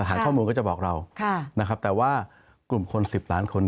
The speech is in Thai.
ฐานข้อมูลก็จะบอกเรานะครับแต่ว่ากลุ่มคน๑๐ล้านคน